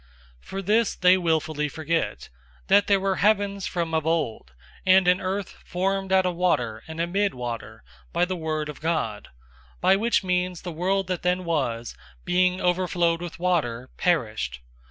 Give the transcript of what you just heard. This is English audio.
003:005 For this they willfully forget, that there were heavens from of old, and an earth formed out of water and amid water, by the word of God; 003:006 by which means the world that then was, being overflowed with water, perished.